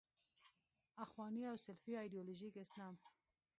اخواني او سلفي ایدیالوژیک اسلام.